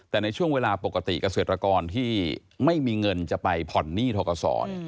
แต่ในช่วงเวลาปกติเกษตรกรที่ไม่มีเงินจะไปผ่อนหนี้ทกศ